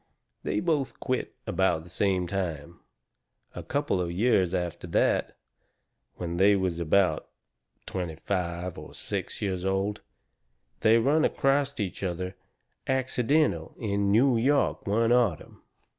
They both quit about the same time. A couple of years after that, when they was both about twenty five or six years old, they run acrost each other accidental in New York one autumn.